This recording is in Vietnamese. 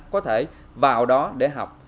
có thể vào đó để học